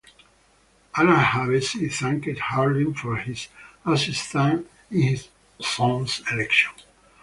Alan Hevesi thanked Harding for his assistance in his son's election.